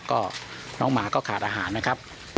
ก็น้องหมาก็ขาดอาหารนะครับ